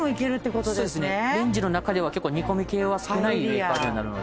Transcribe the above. レンジの中では結構煮込み系は少ないメーカーにはなるので。